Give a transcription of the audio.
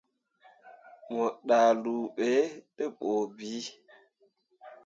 Mo ndahluu be te bu bii.